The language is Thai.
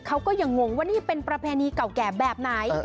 เขาก็ยังงงว่านี่เป็นประเพณีเก่าแก่แบบไหน